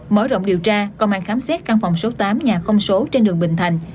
mở rộng điều tra công an khám xét căn phòng số tám nhà không số trên đường bình thành